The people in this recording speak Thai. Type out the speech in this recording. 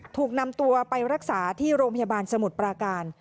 ถูกนำตัวไปรักษาที่โรงพยาบาลสมุทรปราการ